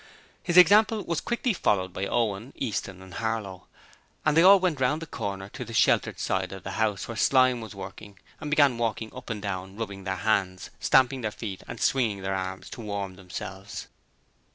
His example was quickly followed by Owen, Easton and Harlow, and they all went round the corner to the sheltered side of the house where Slyme was working, and began walking up and down, rubbing their hands, stamping their feet and swinging their arms to warm themselves.